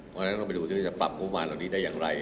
เพราะฉะนั้นต้องไปดูที่ว่าจะปรับงบประมาณเหล่านี้ได้อย่างไร